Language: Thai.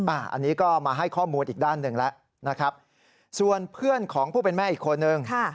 อันนี้ก็มาให้ข้อมูลอีกด้านหนึ่งแล้วนะครับส่วนเพื่อนของผู้เป็นแม่อีกคนนึง